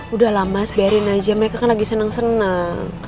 udah lah mas biarin aja mereka kan lagi seneng seneng